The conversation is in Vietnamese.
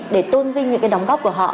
để tôn vinh những cái đóng góp của họ